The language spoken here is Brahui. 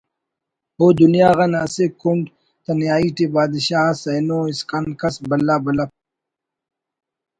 او دنیا غان اسہ کنڈ تنیائی ٹی بادشاہ ئس اینو اسکان کس بھلا بھلا پروگرام